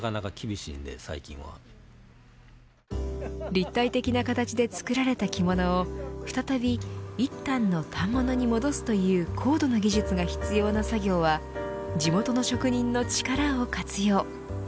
立体的な形で作られた着物を再び、一反の反物に戻すという高度な技術が必要な作業は地元の職人の力を活用。